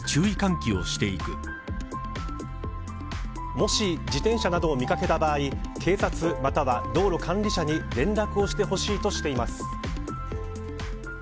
もし自転車などを見掛けた場合警察または道路管理者に連絡をしてほしいとしています。